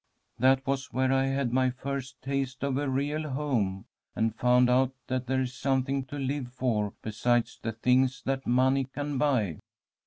That was where I had my first taste of a real home, and found out that there is something to live for besides the things that money can buy.